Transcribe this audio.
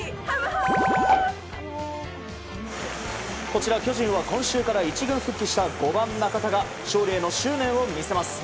こちら巨人は今週から１軍復帰した中田が勝利への執念を見せます。